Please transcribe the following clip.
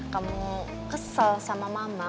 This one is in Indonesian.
kamu kesel sama mama